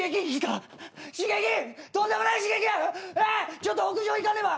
ちょっと屋上行かねば！